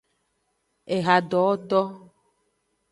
Ehadowoto.